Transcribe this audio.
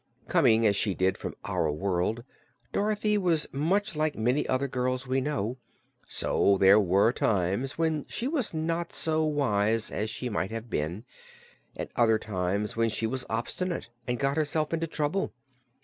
Coming as she did from our world, Dorothy was much like many other girls we know; so there were times when she was not so wise as she might have been, and other times when she was obstinate and got herself into trouble.